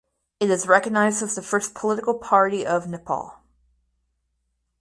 It is recognised as the first political party of Nepal.